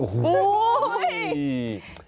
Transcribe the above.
ฮ่ออู๋ย